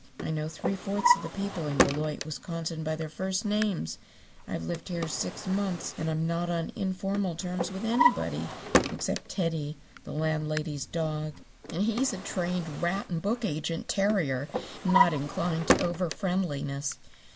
I know three fourths of the people in Beloit, Wisconsin, by their first names. I've lived here six months and I'm not on informal terms with anybody except Teddy, the landlady's dog, and he's a trained rat and book agent terrier, and not inclined to overfriendliness.